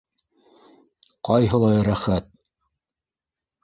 Ҡайһылай рәхәт!